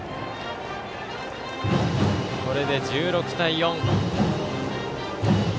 これで１６対４。